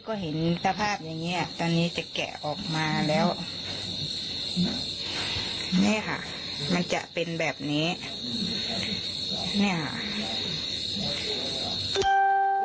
ก็เห็นสภาพอย่างเงี้ยตอนนี้จะแกะออกมาแล้วนี่ค่ะมันจะเป็นแบบนี้เนี่ย